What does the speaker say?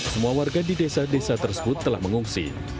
semua warga di desa desa tersebut telah mengungsi